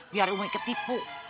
biar umi ketipu